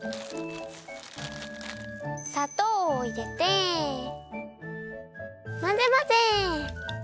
さとうをいれてまぜまぜ！